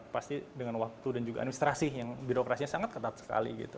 pasti dengan waktu dan juga administrasi yang birokrasinya sangat penting